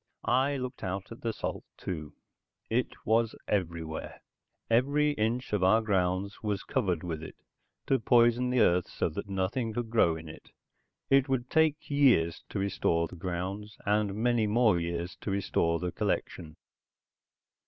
I looked out at the salt, too. It was everywhere. Every inch of our grounds was covered with it, to poison the earth so that nothing could grow in it. It would take years to restore the grounds, and many more years to restore the collection.